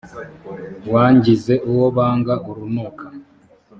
wangize uwo banga urunuka